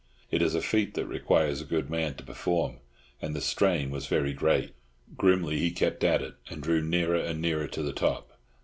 It is a feat that requires a good man to perform, and the strain was very great. Grimly he kept at it, and drew nearer and nearer to the top.